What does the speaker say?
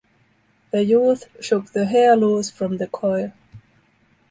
The youth shook the hair loose from the coil.